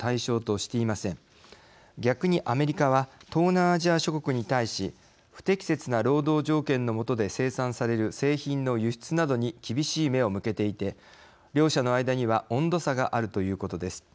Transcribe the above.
逆にアメリカは東南アジア諸国に対し不適切な労働条件の下で生産される製品の輸出などに厳しい目を向けていて両者の間には温度差があるということです。